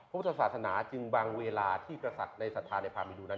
พระกษัตริย์ที่ทรงศาสตร์ในศาสนาพราหมิดู